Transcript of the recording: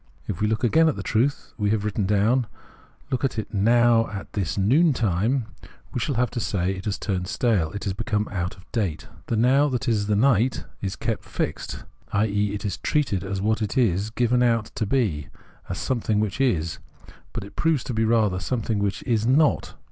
If we look again at the truth we have written down, look at it noiv, at this noon time, we shall have to say it has turned stale and become out of date. The Now that is night is kept fixed, i.e. it is treated as what it is given out to be, as something which is ; but it proves to be rather a something which is not.